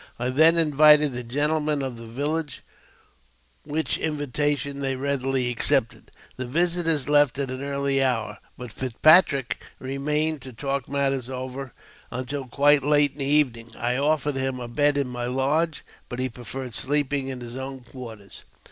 I then invited the gentlemen to the village, which invitation they readily ac cepted. The visitors left at an early hour, but Fitzpatrick remained to talk matters over until quite late in the evening. I 4! 228 AUTOBIOGEAFHY OF I offered him a bed in my lodge, but he preferred sleeping in his own quarters.